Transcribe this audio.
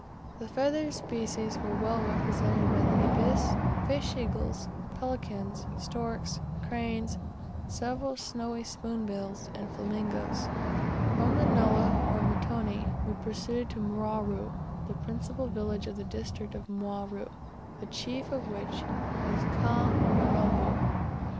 The feathered species were well represented by ibis, fish eagles, pelicans, storks, cranes, several snowy spoon bills, and flamingoes. From the nullah, or mtoni, we proceeded to Mwaru, the principal village of the district of Mwaru, the chief of which is Ka mirambo.